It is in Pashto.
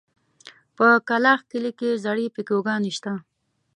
په کلاخ کلي کې زړې پيکوگانې شته.